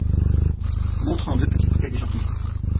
Montrant deux petites bouteilles d’échantillon.